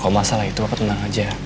kalau masalah itu apa tenang aja